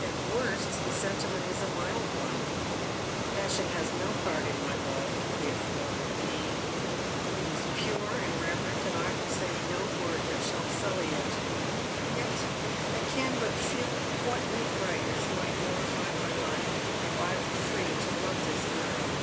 At worst the sentiment is a mild one. Passion has no part in my love — if love it be. It is pure and reverent, and I will say no word that shall sully it Yet I can but feel what new brightness might glorify my life if I were free to love this girl."